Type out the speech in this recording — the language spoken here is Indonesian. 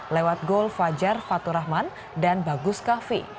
lewat gol fajar faturahman dan bagus kahvi